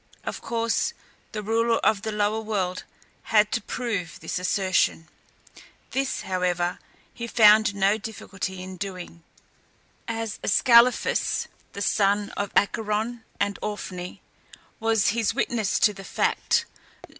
Of course the ruler of the lower world had to prove this assertion. This, however, he found no difficulty in doing, as Ascalaphus, the son of Acheron and Orphne, was his witness to the fact.